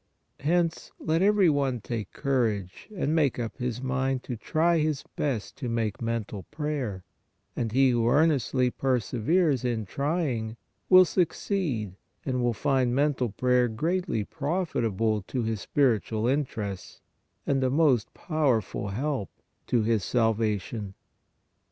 Hence let every one take courage and make up his mind to try his best to make mental prayer, and he who earnestly perseveres in trying, will succeed and find mental prayer greatly profitable to his spiritual interests, and a most powerful help to his salvation.